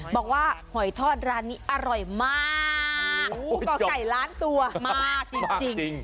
บอกว่าหอยทอดร้านนี้อร่อยมากก่อไก่ล้านตัวมากจริง